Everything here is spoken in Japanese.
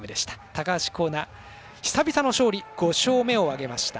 高橋光成、久々の勝利５勝目を挙げました。